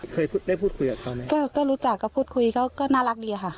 เคยได้พูดคุยกับเขาไหมก็ก็รู้จักก็พูดคุยก็น่ารักดีค่ะ